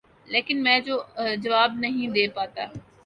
لیکن میں جواب نہیں دے پاتا ۔